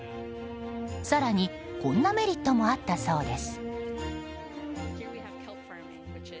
更に、こんなメリットもあったそうです。